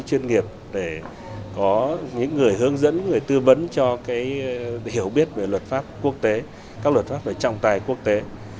chuyên nghiệp để có những người hướng dẫn người tư vấn cho cái hiểu biết về luật pháp quốc tế các luật pháp về trọng tài quốc tế